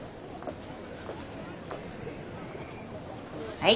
はい。